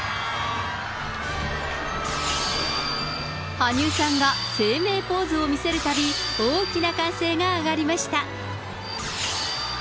羽生さんがＳＥＩＭＥＩポーズを見せるたび、大きな歓声が上がりました。